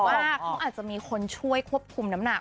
ว่าเขาอาจจะมีคนช่วยควบคุมน้ำหนัก